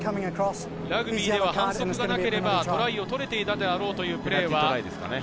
ラグビーでは反則がなければトライを取れていたであろうというプレーは。